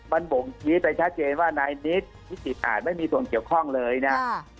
มันบ่งชี้ไปชัดเจนว่านายนิดพิจิตอาจไม่มีส่วนเกี่ยวข้องเลยนะ